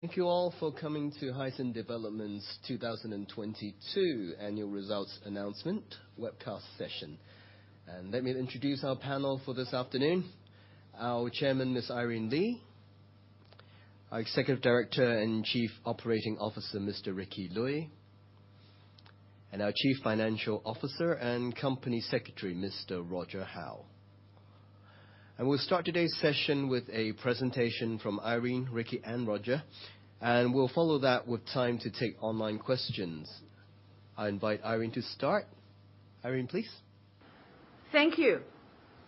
Thank you all for coming to Hysan Development's 2022 annual results announcement webcast session. Let me introduce our panel for this afternoon. Our Chairman, Ms. Irene Lee. Our Executive Director and Chief Operating Officer, Mr. Ricky Lui. Our Chief Financial Officer and Company Secretary, Mr. Roger Hau. We'll start today's session with a presentation from Irene, Ricky, and Roger, and we'll follow that with time to take online questions. I invite Irene to start. Irene, please. Thank you.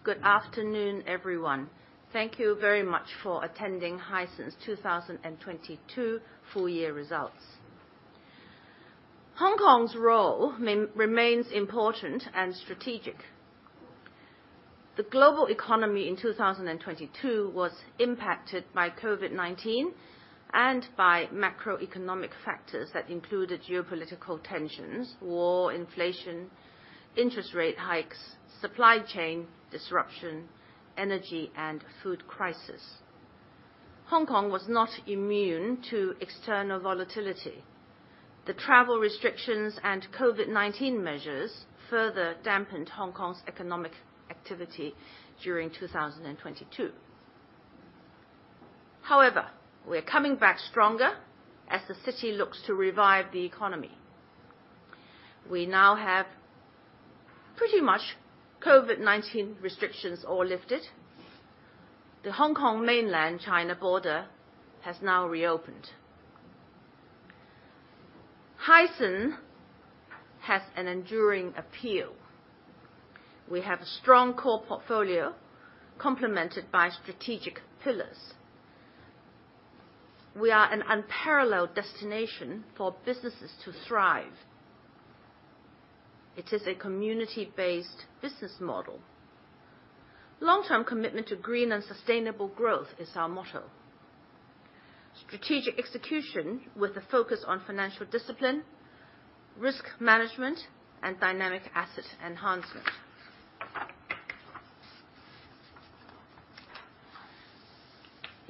Good afternoon, everyone. Thank you very much for attending Hysan's 2022 full year results. Hong Kong's role remains important and strategic. The global economy in 2022 was impacted by COVID-19 and by macroeconomic factors that included geopolitical tensions, war, inflation, interest rate hikes, supply chain disruption, energy and food crisis. Hong Kong was not immune to external volatility. The travel restrictions and COVID-19 measures further dampened Hong Kong's economic activity during 2022. However, we're coming back stronger as the city looks to revive the economy. We now have pretty much COVID-19 restrictions all lifted. The Hong Kong Mainland China border has now reopened. Hysan has an enduring appeal. We have a strong core portfolio complemented by strategic pillars. We are an unparalleled destination for businesses to thrive. It is a community-based business model. Long-term commitment to green and sustainable growth is our motto. Strategic execution with a focus on financial discipline, risk management, and dynamic asset enhancement.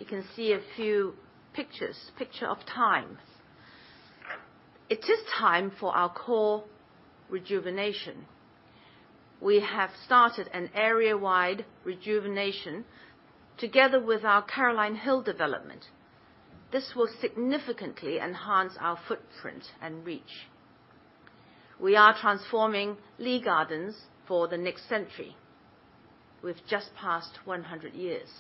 You can see a few pictures, picture of time. It is time for our core rejuvenation. We have started an area-wide rejuvenation together with our Caroline Hill development. This will significantly enhance our footprint and reach. We are transforming Lee Gardens for the next century. We've just passed 100 years.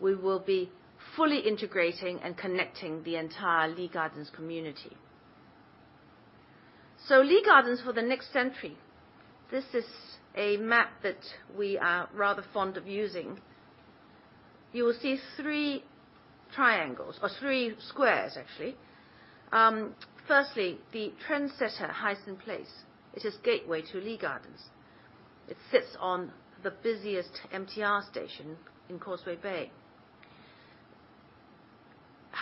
We will be fully integrating and connecting the entire Lee Gardens community. Lee Gardens for the next century, this is a map that we are rather fond of using. You will see 3 triangles or 3 squares, actually. Firstly, the trendsetter, Hysan Place. It is gateway to Lee Gardens. It sits on the busiest MTR station in Causeway Bay.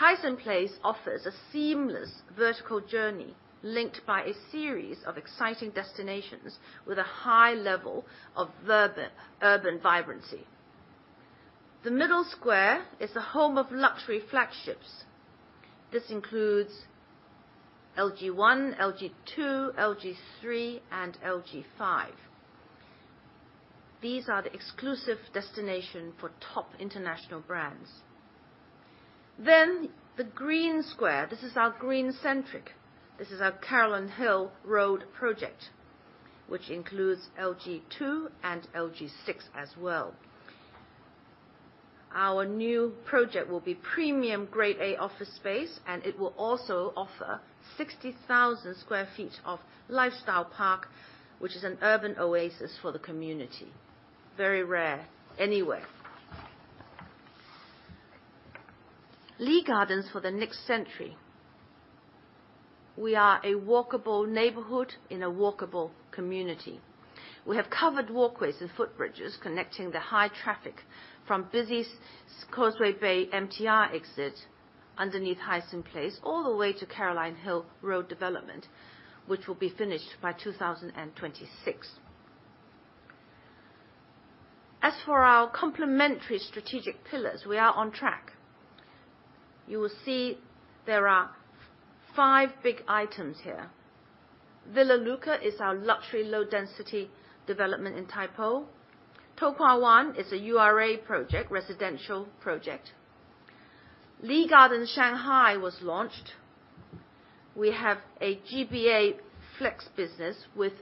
Hysan Place offers a seamless vertical journey linked by a series of exciting destinations with a high level of urban vibrancy. The middle square is the home of luxury flagships. This includes LG1, LG2, LG3, and LG5. These are the exclusive destination for top international brands. The green square, this is our green centric. This is our Caroline Hill Road project, which includes LG2 and LG6 as well. Our new project will be premium Grade A office space, and it will also offer 60,000 sq ft of lifestyle park, which is an urban oasis for the community. Very rare anywhere. Lee Gardens for the next century. We are a walkable neighborhood in a walkable community. We have covered walkways and footbridges connecting the high traffic from busy Causeway Bay MTR exit underneath Hysan Place all the way to Caroline Hill Road development, which will be finished by 2026. As for our complementary strategic pillars, we are on track. You will see there are five big items here. Villa Lucca is our luxury low-density development in Tai Po. To Kwa Wan is a URA project, residential project. Lee Gardens Shanghai was launched. We have a GBA Flex business with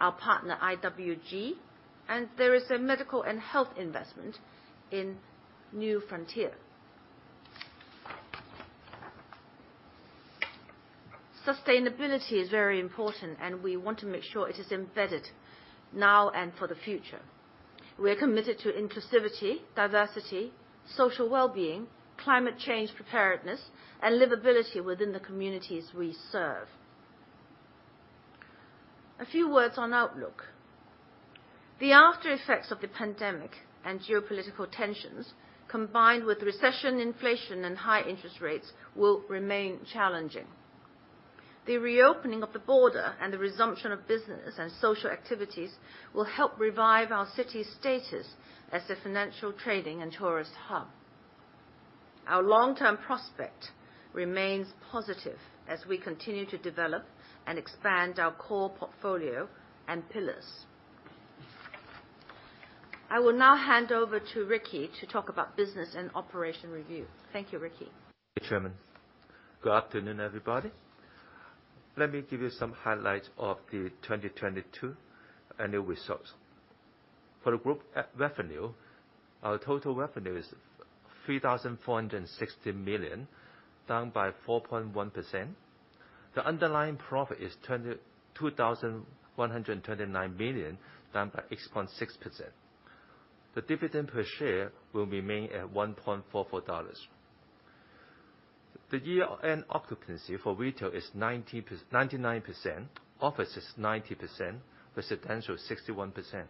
our partner, IWG, and there is a medical and health investment in New Frontier. Sustainability is very important, and we want to make sure it is embedded now and for the future. We are committed to inclusivity, diversity, social well-being, climate change preparedness, and livability within the communities we serve. A few words on outlook. The aftereffects of the pandemic and geopolitical tensions, combined with recession, inflation, and high interest rates, will remain challenging. The reopening of the border and the resumption of business and social activities will help revive our city status as a financial trading and tourist hub. Our long-term prospect remains positive as we continue to develop and expand our core portfolio and pillars. I will now hand over to Ricky to talk about business and operation review. Thank you, Ricky. Chairman. Good afternoon, everybody. Let me give you some highlights of the 2022 annual results. For the group revenue, our total revenue is 3,460 million, down by 4.1%. The underlying profit is 22,129 million, down by 8.6%. The dividend per share will remain at 1.44 dollars. The year-end occupancy for retail is 99%. Office is 90%. Residential, 61%.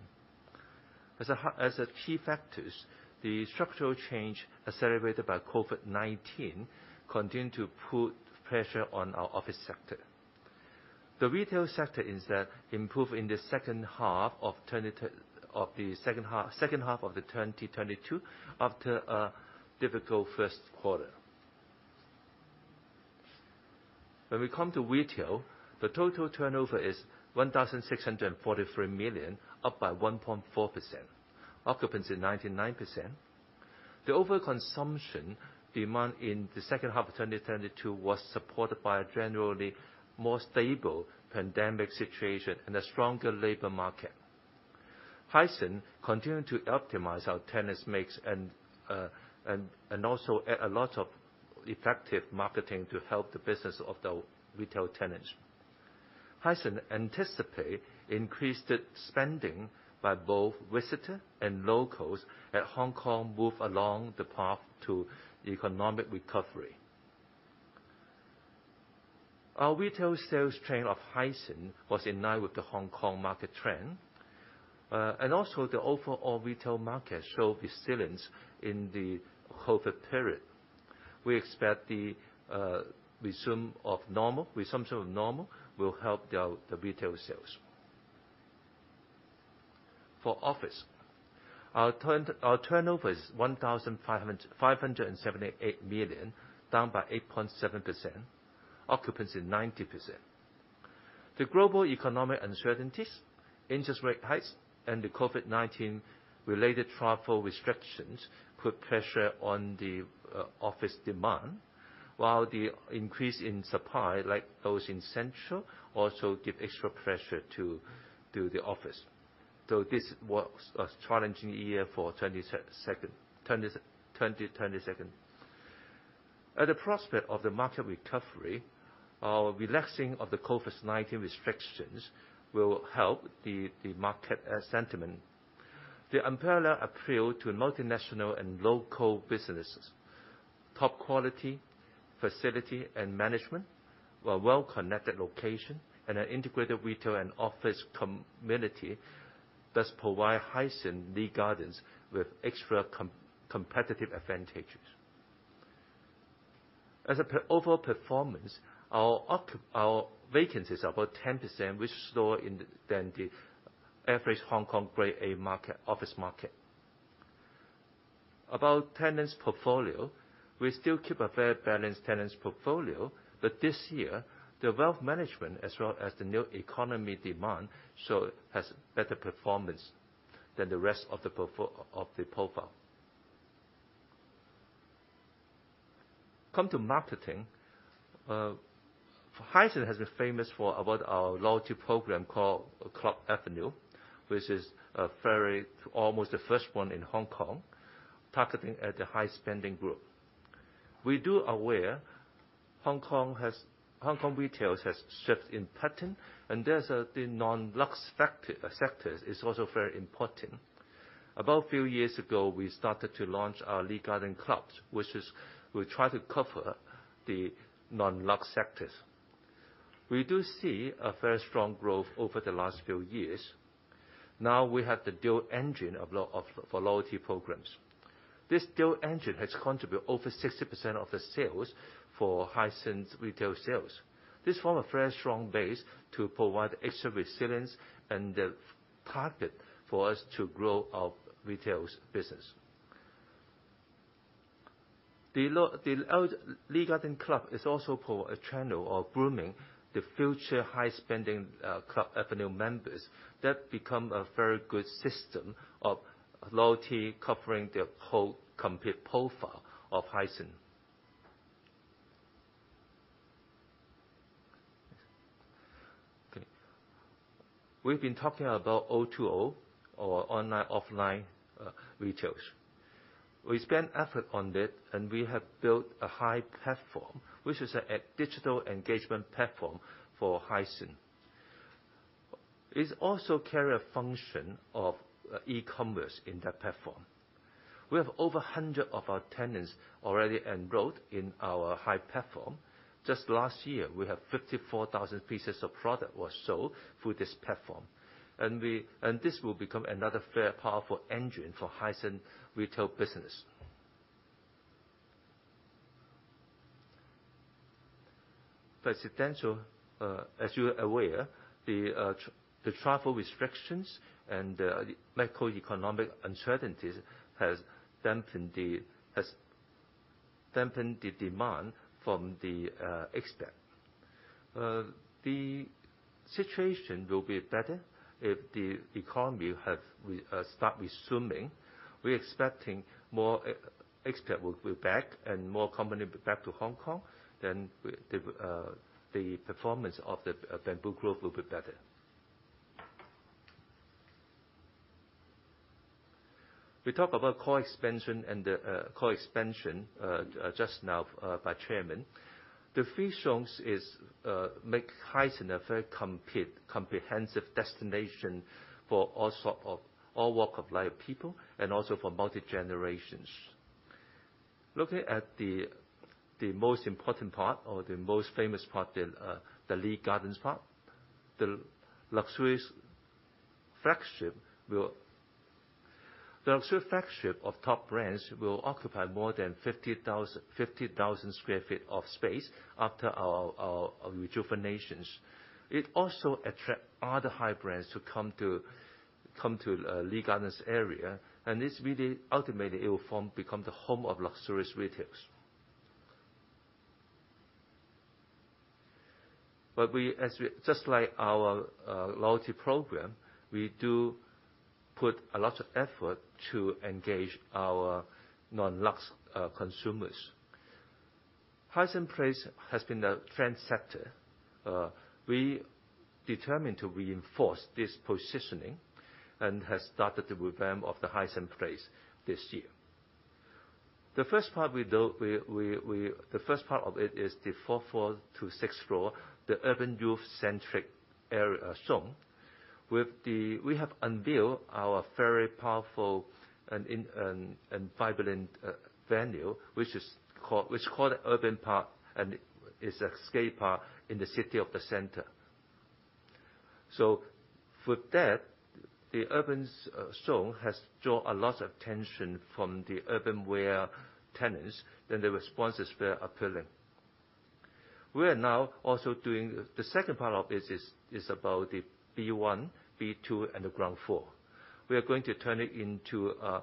As the key factors, the structural change accelerated by COVID-19 continue to put pressure on our office sector. The retail sector instead improved in the second half of 2022 after a difficult first quarter. When we come to retail, the total turnover is 1,643 million, up by 1.4%. Occupancy, 99%. The overconsumption demand in the second half of 2022 was supported by a generally more stable pandemic situation and a stronger labor market. Hysan continued to optimize our tenants mix and also a lot of effective marketing to help the business of the retail tenants. Hysan anticipate increased spending by both visitors and locals as Hong Kong move along the path to economic recovery. Our retail sales trend of Hysan was in line with the Hong Kong market trend. The overall retail market show resilience in the COVID period. We expect the resumption of normal will help the retail sales. For office, our turnover is 1,578 million, down by 8.7%. Occupancy, 90%. The global economic uncertainties, interest rate hikes, and the COVID-19 related travel restrictions put pressure on the office demand, while the increase in supply, like those in Central, also give extra pressure to the office. This was a challenging year for 2022. At the prospect of the market recovery, our relaxing of the COVID-19 restrictions will help the market sentiment. The unparalleled appeal to multinational and local businesses, top quality facility and management, a well-connected location, and an integrated retail and office community does provide Hysan Lee Gardens with extra competitive advantages. As overall performance, our vacancy is about 10%, which is lower than the average Hong Kong Grade A office market. About tenants portfolio, we still keep a very balanced tenants portfolio, but this year, the wealth management as well as the new economy demand has better performance than the rest of the profile. Come to marketing. Hysan has been famous for about our loyalty program called Club Avenue, which is almost the first one in Hong Kong, targeting at the high spending group. We do aware Hong Kong retails has shifted in pattern, and there's the non-lux sectors is also very important. About few years ago, we started to launch our Lee Gardens Club, which is we try to cover the non-lux sectors. We do see a very strong growth over the last few years. Now we have the dual engine of loyalty programs. This dual engine has contribute over 60% of the sales for Hysan's retail sales. This form a very strong base to provide extra resilience and the target for us to grow our retails business. The Lee Gardens Club is also for a channel of grooming the future high spending Club Avenue members. That become a very good system of loyalty covering the whole complete profile of Hysan. Okay. We've been talking about O2O or online, offline, retails. We spent effort on it. We have built a hy! Platform, which is a digital engagement platform for Hysan. It also carry a function of e-commerce in that platform. We have over 100 of our tenants already enrolled in our hy! Platform. Just last year, we have 54,000 pieces of product was sold through this platform. This will become another very powerful engine for Hysan retail business. Presidential, as you're aware, the travel restrictions and the macroeconomic uncertainties has dampened the demand from the expat. The situation will be better if the economy start resuming. We're expecting more e-expat will be back, and more company back to Hong Kong, then the performance of Bamboo Grove will be better. We talk about core expansion and core expansion just now by chairman. The vision is make height in a very comprehensive destination for all walk of life people, and also for multi-generations. Looking at the most important part or the most famous part, the Lee Gardens. The luxurious flagship of top brands will occupy more than 50,000 sq ft of space after our rejuvenations. It also attract other high brands to come to Lee Gardens Area. Ultimately it will become the home of luxurious retails. As we just like our loyalty program, we do put a lot of effort to engage our non-lux consumers. Hysan Place has been a trendsetter. We determined to reinforce this positioning and has started the revamp of the Hysan Place this year. The first part of it is the 4th floor to 6th floor, the urban youth centric area zone. We have unveiled our very powerful and vibrant venue, which is called Urban Park, and it's an escape park in the city of the center. With that, the urban zone has drawn a lot of attention from the urban wear tenants and their responses were appealing. We are now also doing. The second part of it is about the B1, B2, and the ground floor. We are going to turn it into a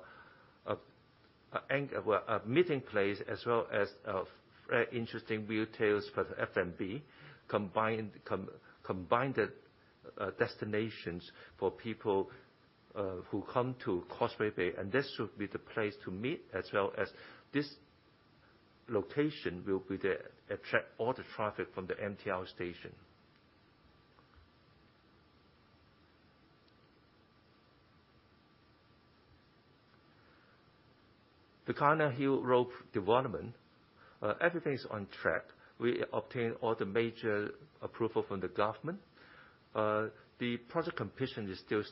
meeting place as well as a very interesting retail space F&B. Combined destinations for people who come to Causeway Bay. This will be the place to meet as well as this location will attract all the traffic from the MTR station. The Caroline Hill Road project, everything is on track. We obtain all the major approval from the government. The project completion is still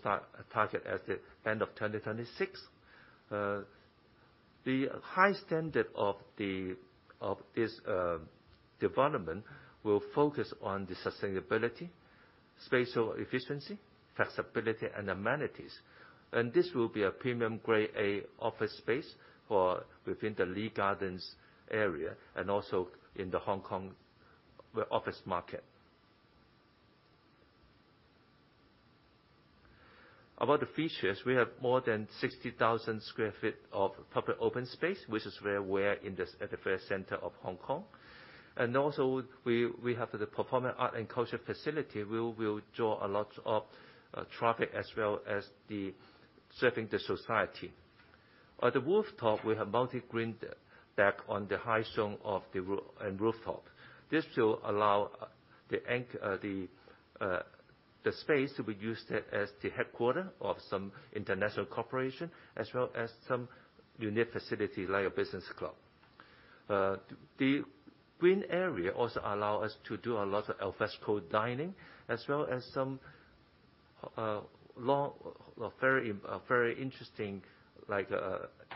targeted at the end of 2026. The high standard of this development will focus on the sustainability, spatial efficiency, flexibility and amenities. This will be a premium Grade A office space for within the Lee Gardens area and also in the Hong Kong office market. About the features, we have more than 60,000 sq ft of public open space, which is very rare in this at the very center of Hong Kong. Also we have the performing art and culture facility, which will draw a lot of traffic as well as the serving the society. At the rooftop, we have multi green deck on the Hysan of the and rooftop. This will allow the space to be used as the headquarters of some international corporation, as well as some unique facility like a business club. The green area also allow us to do a lot of al fresco dining, as well as some long, very interesting like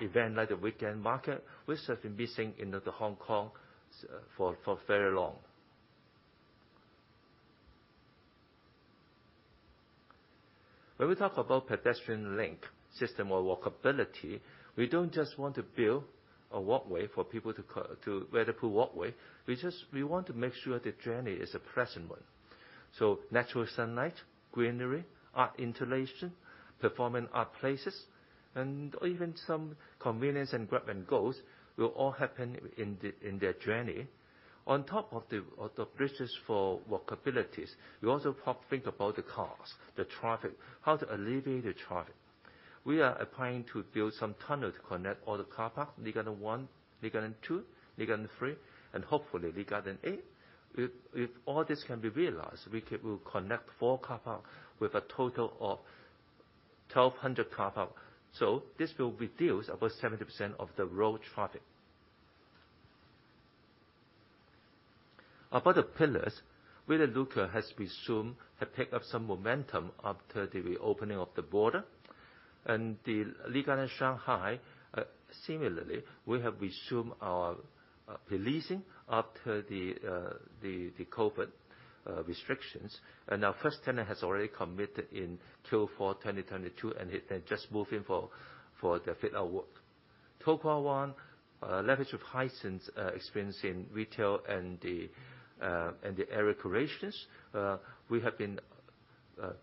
event like the weekend market, which has been missing in the Hong Kong for very long. When we talk about pedestrian link system or walkability, we don't just want to build a walkway for people to weather-proof walkway. We want to make sure the journey is a pleasant one. Natural sunlight, greenery, art installation, performing art places, and even some convenience and grab and goes will all happen in the, in their journey. On top of the bridges for walkabilities, we also think about the cars, the traffic, how to alleviate the traffic. We are applying to build some tunnel to connect all the car parks, Lee Garden 1, Lee Garden 2, Lee Garden 3, and hopefully Lee Garden 8. If all this can be realized, we'll connect four car parks with a total of 1,200 car park. This will reduce about 70% of the road traffic. About the pillars, Villa Lucca have picked up some momentum after the reopening of the border. The Lee Garden Shanghai, similarly, we have resumed our policing after the COVID restrictions. Our first tenant has already committed in Q4 2022, and just move in for the fit out work. To Kwa Wan, leverage with Hysan's experience in retail and the area creations. We have been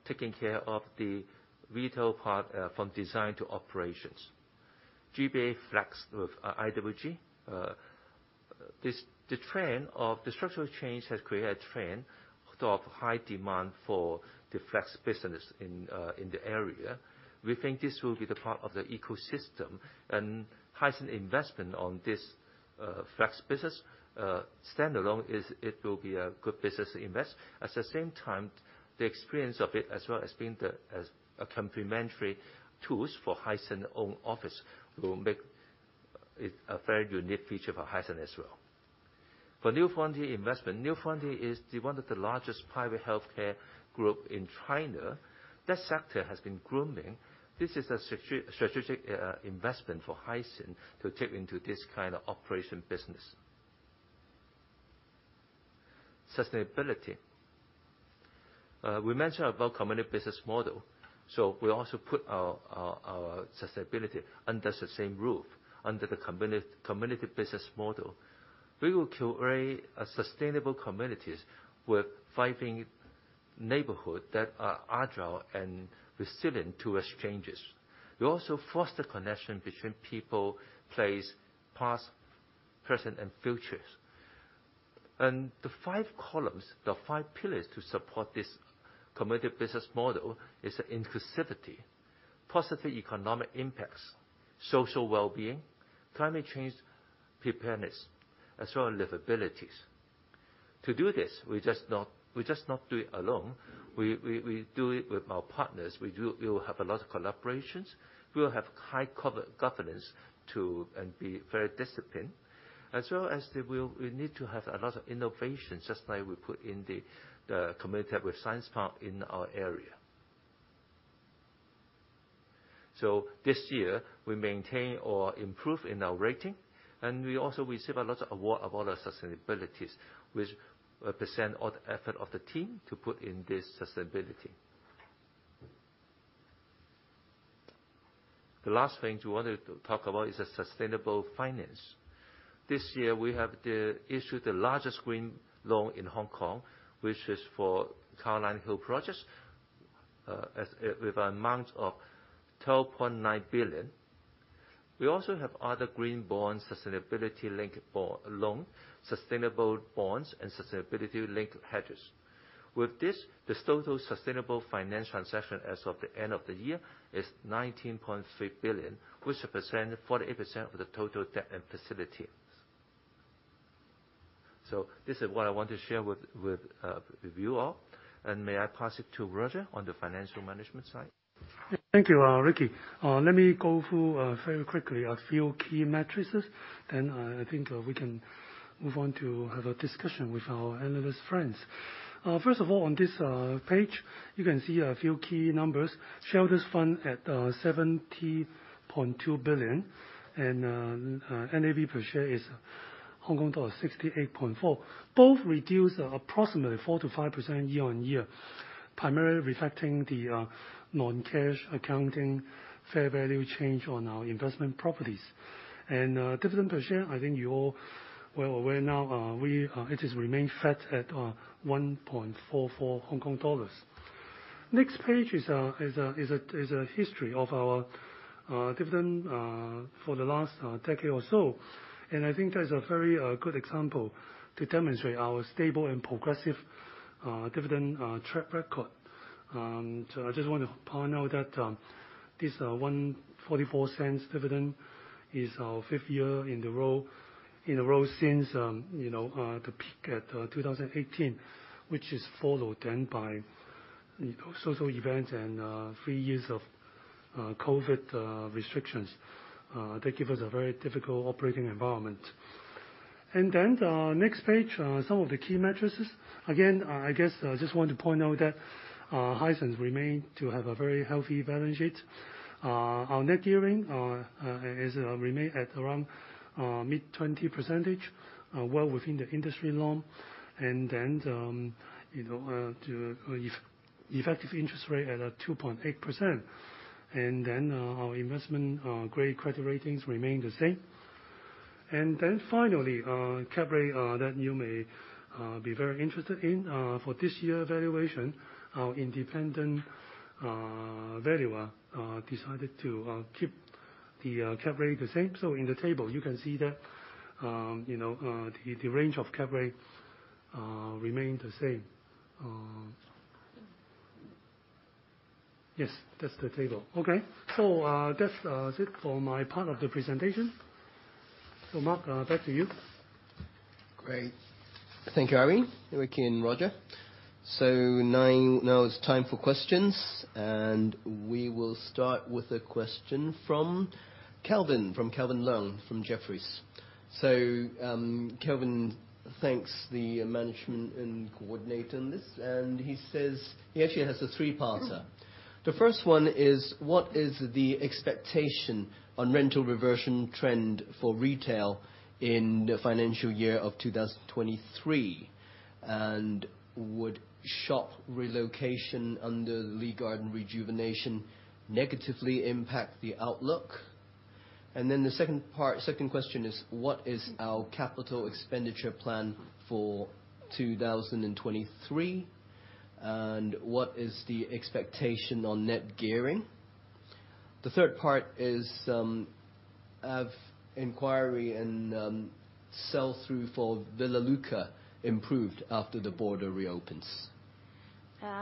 taking care of the retail part, from design to operations. GBA Flex with IWG. The trend of the structural change has created a trend of high demand for the flex business in the area. We think this will be the part of the ecosystem and Hysan investment on this flex business. Stand alone, it will be a good business to invest. At the same time, the experience of it, as well as being as a complementary tools for Hysan own office will make it a very unique feature for Hysan as well. For New Frontier investment, New Frontier is the one of the largest private healthcare group in China. That sector has been grooming. This is a strategic investment for Hysan to take into this kind of operation business. Sustainability. We mentioned about community business model. We also put our sustainability under the same roof, under the community business model. We will curate sustainable communities with thriving neighborhood that are agile and resilient towards changes. We also foster connection between people, place, past, present, and futures. The five columns, the five pillars to support this community business model is inclusivity, positive economic impacts, social wellbeing, climate change preparedness, as well as livabilities. To do this, we just not do it alone. We do it with our partners. We will have a lot of collaborations. We will have high governance to, and be very disciplined. We need to have a lot of innovations, just like we put in the community hub with Science Park in our area. This year, we maintain or improve in our rating, and we also receive a lot of award of all the sustainabilities, which represent all the effort of the team to put in this sustainability. The last thing to order to talk about is the sustainable finance. This year we have the issued the largest green loan in Hong Kong, which is for Caroline Hill project, with an amount of 12.9 billion. We also have other green bonds sustainability-linked loan, sustainable bonds and sustainability-linked hedges. With this total sustainable finance transaction as of the end of the year is 19.3 billion, which represent 48% of the total debt and facilities. This is what I want to share with you all. May I pass it to Roger on the financial management side? Thank you, Ricky. Let me go through very quickly a few key matrices, then I think we can move on to have a conversation with our analyst friends. First of all, on this page, you can see a few key numbers. Shareholder's fund at 70.2 billion, and NAV per share is Hong Kong dollar 68.4. Both reduced approximately 4%-5% year-on-year, primarily reflecting the non-cash accounting fair value change on our investment properties. Dividend per share, I think you all well aware now, we it has remained flat at 1.44 Hong Kong dollars. Next page is a history of our dividend for the last decade or so. I think that is a very good example to demonstrate our stable and progressive dividend track record. I just want to point out that this 1.44 dividend is our fifth year in a row since, you know, the peak at 2018, which is followed then by social events and 3 years of COVID restrictions. That give us a very difficult operating environment. The next page, some of the key matrices. Again, I guess I just want to point out that Hysan's remain to have a very healthy balance sheet. Our net gearing is remain at around mid-20%, well within the industry norm. effective interest rate at a 2.8%. Our investment-grade credit ratings remain the same. Finally, cap rate that you may be very interested in for this year valuation. Our independent valuer decided to keep the cap rate the same. In the table you can see that the range of cap rate remain the same. Yes, that's the table. That's it for my part of the presentation. Mark, back to you. Great. Thank you, Irene, Ricky and Roger. now it's time for questions, and we will start with a question from Calvin Leung from Jefferies. Calvin thanks the management in coordinating this, and he says. He actually has a 3-parter. The first one is, what is the expectation on rental reversion trend for retail in the financial year of 2023? And would shop relocation under the Lee Gardens rejuvenation negatively impact the outlook? The second question is, what is our capital expenditure plan for 2023? What is the expectation on net gearing? The third part is, have inquiry and sell-through for Villa Lucca improved after the border reopens?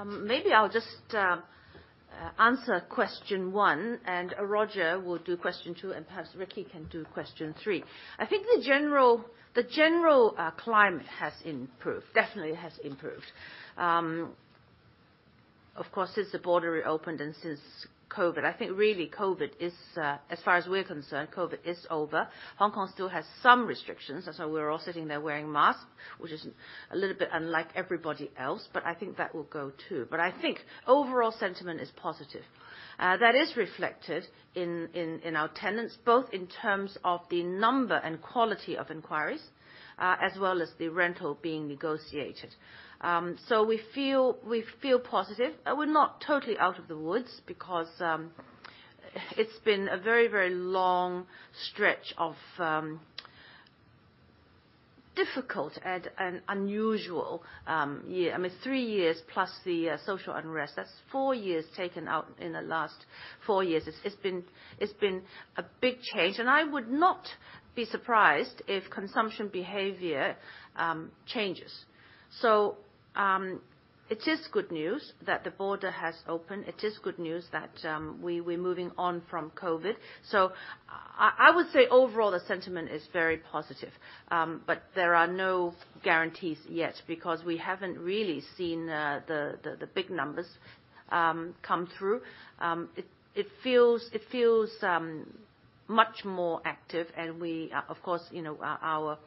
Maybe I'll just answer question one, and Roger will do question two, and perhaps Ricky can do question three. I think the general climate has improved, definitely has improved. Of course, since the border reopened and since COVID-19. I think really COVID-19 is, as far as we're concerned, COVID-19 is over. Hong Kong still has some restrictions. That's why we're all sitting there wearing masks, which is a little bit unlike everybody else, but I think that will go too. I think overall sentiment is positive. That is reflected in our tenants, both in terms of the number and quality of inquiries, as well as the rental being negotiated. We feel positive. We're not totally out of the woods because it's been a very, very long stretch of difficult and unusual year. I mean, 3 years plus the social unrest. That's 4 years taken out in the last 4 years. It's been a big change, and I would not be surprised if consumption behavior changes. It is good news that the border has opened. It is good news that we're moving on from COVID. I would say overall the sentiment is very positive. There are no guarantees yet because we haven't really seen the big numbers come through. It feels much more active, and we, of course, you know, our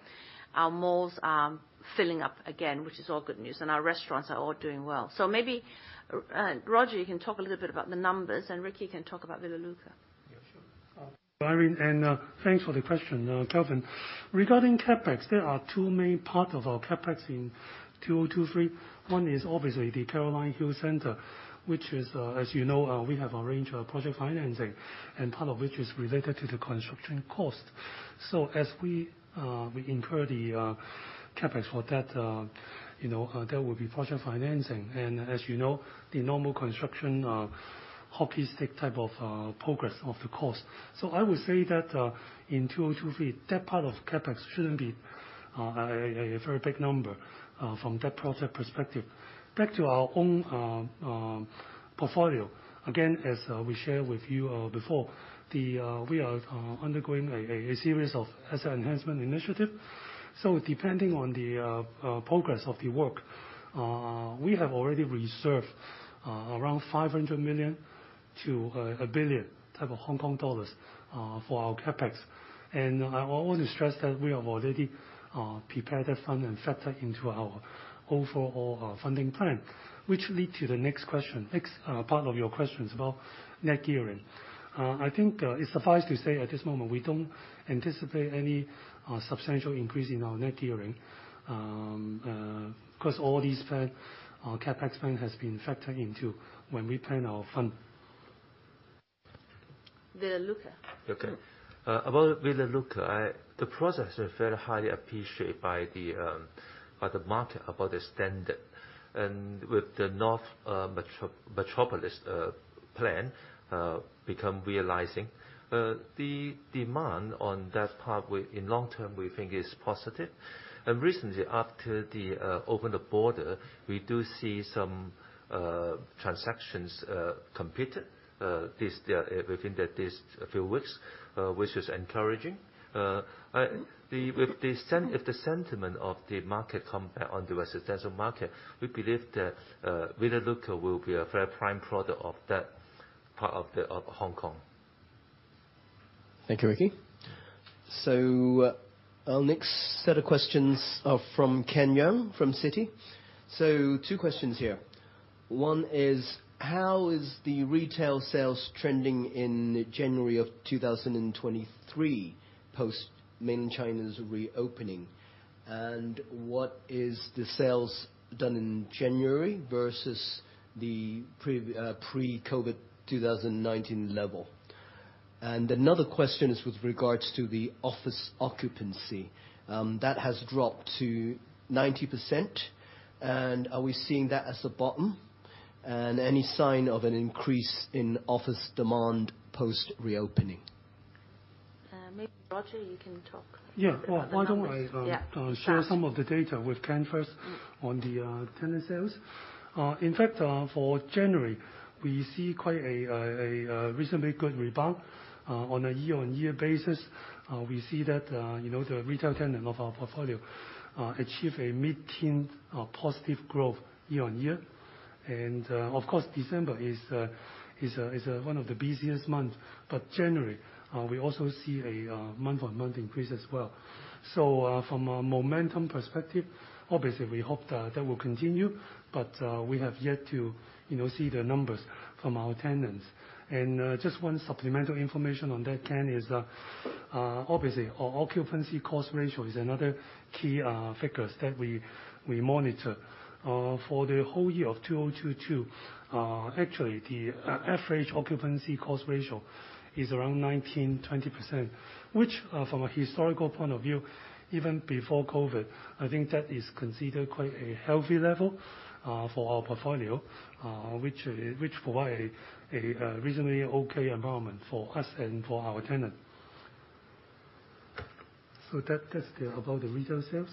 malls are filling up again, which is all good news, and our restaurants are all doing well. Maybe, Roger, you can talk a little bit about the numbers, and Ricky can talk about Villa Lucca. Yeah, sure. Irene, thanks for the question, Calvin. Regarding CapEx, there are two main part of our CapEx in 2023. One is obviously the Caroline Hill Road, which is, as you know, we have a range of project financing, part of which is related to the construction cost. As we incur the CapEx for that, you know, there will be project financing. As you know, the normal construction, hockey stick type of, progress of the cost. I would say that in 2023, that part of CapEx shouldn't be a very big number from that project perspective. Back to our own portfolio. Again, as we shared with you before, we are undergoing a series of asset enhancement initiative. Depending on the progress of the work, we have already reserved around 500 million-1 billion for our CapEx. I always stress that we have already prepared that fund and factor into our overall funding plan, which lead to the next question, next part of your questions about net gearing. I think it's suffice to say at this moment, we don't anticipate any substantial increase in our net gearing, because all these spend, our CapEx spend has been factored into when we plan our fund. Villa Lucca. Luca. About Villa Lucca, the process is very highly appreciated by the market about the standard. With the Northern Metropolis plan become realizing, the demand on that part in long term we think is positive. Recently, after the open the border, we do see some transactions completed this within the this few weeks, which is encouraging. The, with the sentiment of the market come back on the residential market, we believe that Villa Lucca will be a very prime product of that part of the, of Hong Kong. Thank you, Ricky. Our next set of questions are from Ken Yeung from Citi. Two questions here. One is, how is the retail sales trending in January of 2023 post mainland China's reopening? What is the sales done in January versus the pre-COVID 2019 level? Another question is with regards to the office occupancy that has dropped to 90%. Are we seeing that as a bottom? Any sign of an increase in office demand post-reopening? Maybe Roger, you can talk about the numbers. Yeah. Why don't I... Yeah share some of the data with Ken first- Mm on the tenant sales. In fact, for January, we see quite a reasonably good rebound on a year-on-year basis. We see that, you know, the retail tenant of our portfolio achieve a mid-teen positive growth year-on-year. Of course, December is one of the busiest month. January, we also see a month-on-month increase as well. From a momentum perspective, obviously we hope that that will continue, but we have yet to, you know, see the numbers from our tenants. Just one supplemental information on that, Ken, is that, obviously, our occupancy cost ratio is another key figures that we monitor. For the whole year of 2022, actually, the average occupancy cost ratio is around 19%-20%, which, from a historical point of view, even before COVID-19, I think that is considered quite a healthy level for our portfolio, which provide a reasonably okay environment for us and for our tenant. That, that's about the retail sales.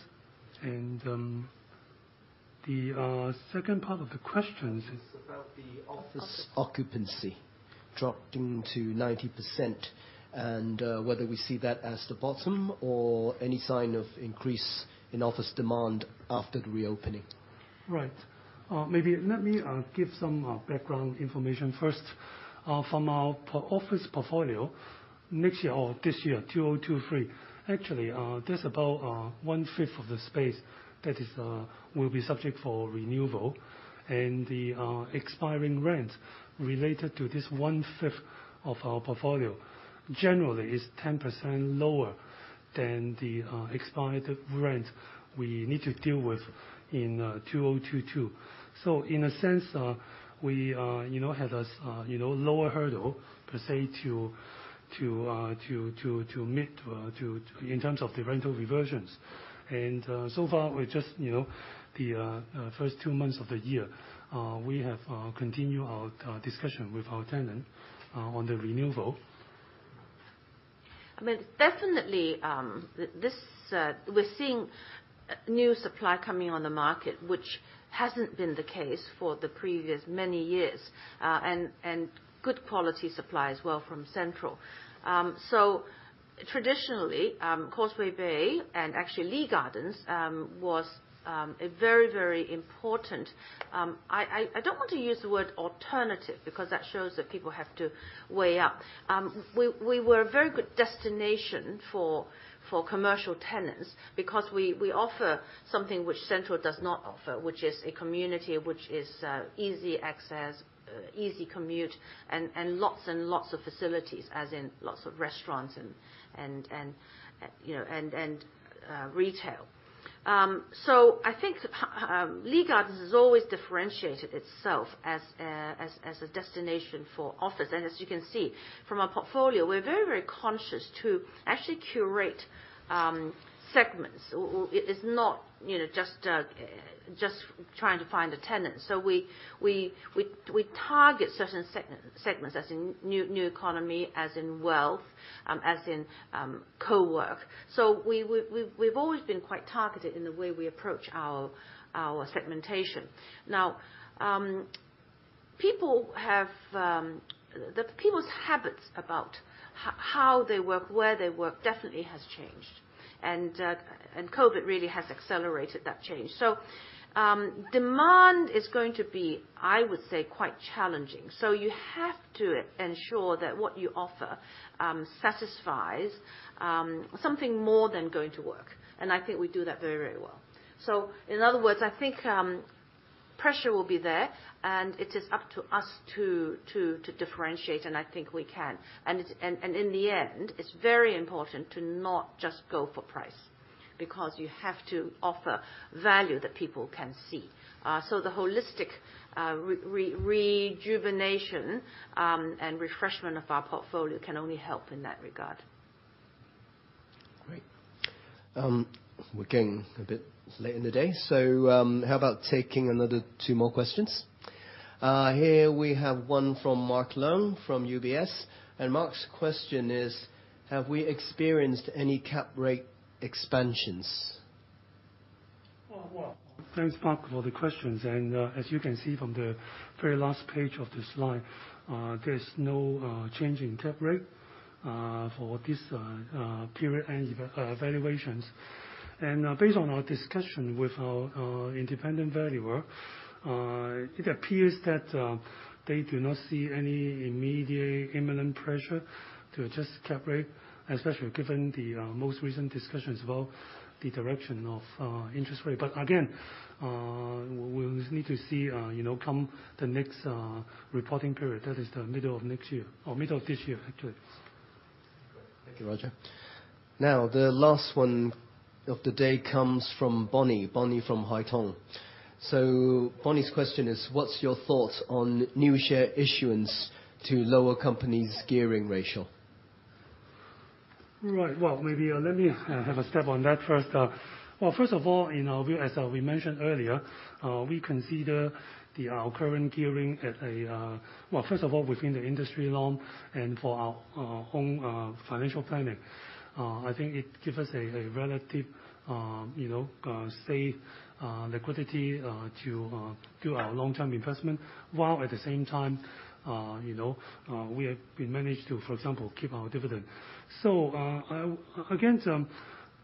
The second part of the question is about the office... Office occupancy dropping to 90%, and whether we see that as the bottom or any sign of increase in office demand after the reopening. Right. Maybe let me give some background information first. From our office portfolio, next year or this year, 2023, actually, there's about 1/5 of the space that is will be subject for renewal. The expiring rent related to this 1/5 of our portfolio generally is 10% lower than the expired rent we need to deal with in 2022. In a sense, we are, you know, have a, you know, lower hurdle per se, to meet in terms of the rental reversions. So far we're just, you know, the first two months of the year, we have continue our discussion with our tenant on the renewal. I mean, definitely, we're seeing new supply coming on the market, which hasn't been the case for the previous many years. Good quality supply as well from Central. Traditionally, Causeway Bay and actually Lee Gardens was a very, very important... I don't want to use the word alternative because that shows that people have to weigh up. We were a very good destination for commercial tenants because we offer something which Central does not offer, which is a community which is easy access, easy commute and lots and lots of facilities, as in lots of restaurants and, you know, and retail. I think Lee Gardens has always differentiated itself as a destination for office. As you can see from our portfolio, we're very, very conscious to actually curate segments. It is not, you know, just trying to find a tenant. We target certain segments, as in new economy, as in wealth, as in co-work. We've always been quite targeted in the way we approach our segmentation. People have the people's habits about how they work, where they work definitely has changed. COVID-19 really has accelerated that change. Demand is going to be, I would say, quite challenging. You have to ensure that what you offer, satisfies something more than going to work. I think we do that very, very well. In other words, I think, pressure will be there, and it is up to us to differentiate, and I think we can. In the end, it's very important to not just go for price, because you have to offer value that people can see. The holistic rejuvenation and refreshment of our portfolio can only help in that regard. Great. We're getting a bit late in the day, so how about taking another two more questions? Here we have one from Mark Leung from UBS, and Mark's question is, have we experienced any cap rate expansions? Well, thanks, Mark, for the questions. As you can see from the very last page of the slide, there's no change in cap rate for this period and evaluations. Based on our discussion with our independent valuer, it appears that they do not see any immediate imminent pressure to adjust cap rate, especially given the most recent discussions about the direction of interest rate. Again, we'll need to see, you know, come the next reporting period. That is the middle of next year or middle of this year, actually. Great. Thank you, Roger. The last one of the day comes from Bonnie from Haitong. Bonnie's question is, what's your thoughts on new share issuance to lower company's gearing ratio? Right. Well, maybe, let me have a stab on that first. Well, first of all, you know, as we mentioned earlier, we consider the, our current gearing well, first of all, within the industry norm and for our own financial planning, I think it give us a relative, you know, safe liquidity to do our long-term investment, while at the same time, you know, we managed to, for example, keep our dividend. Again,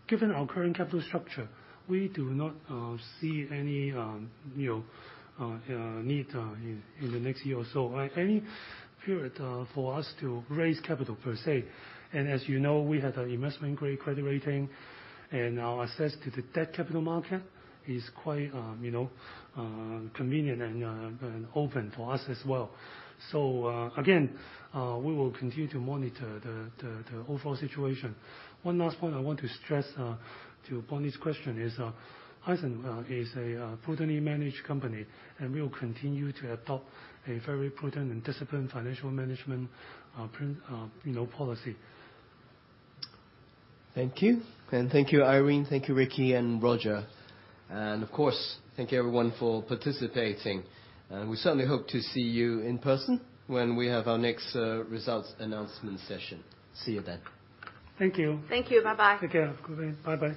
given our current capital structure, we do not see any, you know, need in the next year or so, any period, for us to raise capital per se. As you know, we have an investment-grade credit rating and our access to the debt capital market is quite, you know, convenient and open for us as well. Again, we will continue to monitor the overall situation. One last point I want to stress to Bonnie's question is Hysan is a prudently managed company, and we will continue to adopt a very prudent and disciplined financial management, you know, policy. Thank you. Thank you, Irene. Thank you, Ricky and Roger. Of course, thank you everyone for participating. We certainly hope to see you in person when we have our next results announcement session. See you then. Thank you. Thank you. Bye-bye. Take care. Goodbye. Bye-bye.